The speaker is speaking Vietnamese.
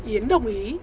yến đồng ý